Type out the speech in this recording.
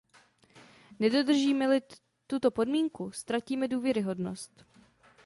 Nedodržíme-li tuto podmínku, ztratíme důvěryhodnost.